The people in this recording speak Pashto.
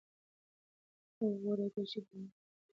هغه غوړ چې دننه وي خطرناک دي.